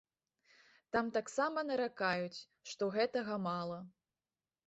Там таксама наракаюць, што гэтага мала.